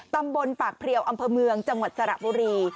ตำบลปากเพลียวอำเภอเมืองจังหวัดสระบุรี